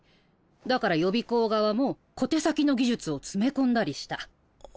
だから予備校側も小手先の技術を詰め込んだりした。